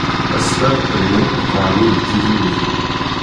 Ass-a, rwin akk leqhawi di Tizi Wezzu.